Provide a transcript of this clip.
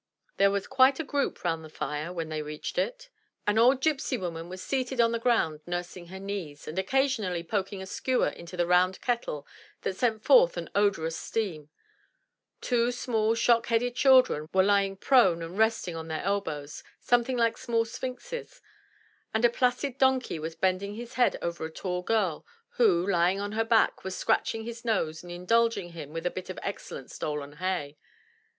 There was quite a group round the fire when they reached it. An old gypsy woman was seated on the groimd nursing her knees, and occasionally poking a skewer into the round kettle that sent forth an odorous steam; two small shock headed children were lying prone and resting on their elbows, something like small sphinxes; and a placid donkey was bending his head over a tall girl, who, lying on her back, was scratching his nose and indulging him with a bit of excellent stolen hay.